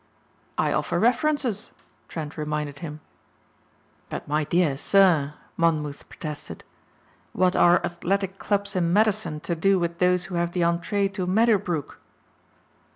"I offer references," Trent reminded him. "But my dear sir," Monmouth protested, "what are athletic clubs in Madison to do with those who have the entrée to Meadowbrook?"